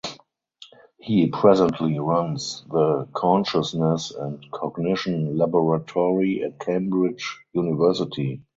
He presently runs the Consciousness and Cognition Laboratory at Cambridge University.